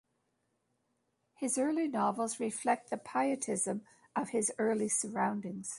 His early novels reflect the Pietism of his early surroundings.